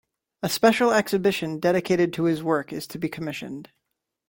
A special exhibition dedicated to his work is to be commissioned.